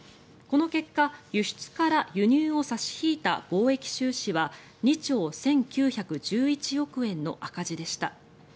この結果、輸出から輸入を差し引いた貿易収支は２兆１９１１億円の赤字でした。